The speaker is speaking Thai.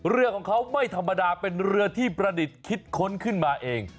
เรือของเขาไม่ธรรมดาเป็นเรือที่ประดิษฐ์คิดค้นขึ้นมาเอง